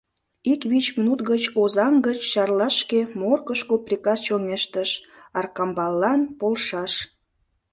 Ик вич минут гыч Озаҥ гыч Чарлашке, Моркышко приказ чоҥештыш: Аркамбаллан полшаш!..